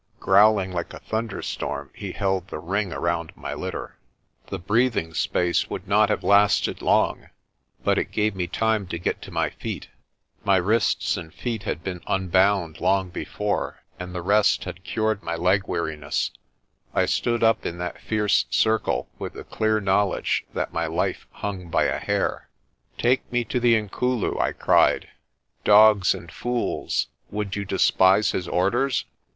Growling like a thunderstorm he held the ring around my litter. The breathing space would not have lasted long, but it gave me time to get to my feet. My wrists and feet had been unbound long before and the rest had cured my leg 188 INANDA'S KRAAL 189 weariness. I stood up in that fierce circle with the clear knowledge that my life hung by a hair. "Take me to Inkulu," I cried. "Dogs and fools, would you despise his orders?